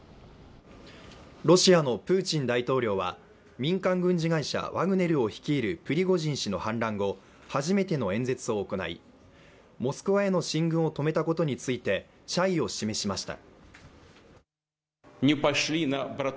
ロシアのプーチン大統領は、民間軍事会社ワグネルを率いるプリゴジン氏の反乱後、初めての演説を行いモスクワへの進軍を止めたことについて謝意を示しました。